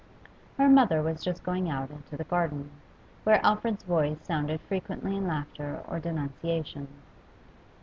Her mother was just going out into the garden, where Alfred's voice sounded frequently in laughter or denunciation.